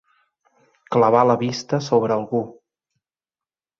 Clavar la vista sobre algú.